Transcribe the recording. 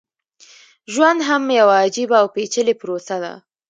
ژوند هم يوه عجيبه او پېچلې پروسه ده.